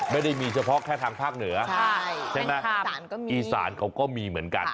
ไม่ได้มีเฉพาะแค่ทางภาคเหนือใช่ไหมอีสานเขาก็มีเหมือนกัน